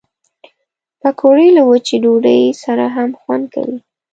پکورې له وچې ډوډۍ سره هم خوند کوي